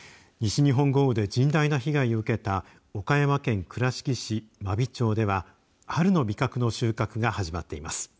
西日本豪雨で甚大な被害を受けた岡山県倉敷市真備町では春の味覚の収穫が始まっています。